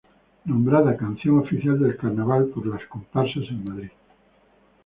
Nombrada Canción Oficial del Carnaval por las Comparsas en Madrid.